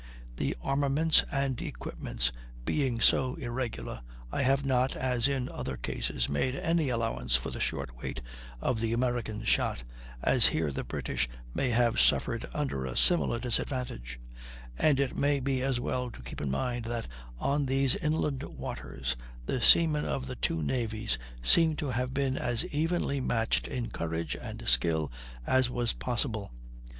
The armaments and equipments being so irregular I have not, as in other cases, made any allowance for the short weight of the Americans shot, as here the British may have suffered under a similar disadvantage; and it may be as well to keep in mind that on these inland waters the seamen of the two navies seem to have been as evenly matched in courage and skill as was possible.